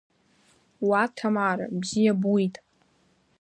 Уа, ҭамара, бзиа буит!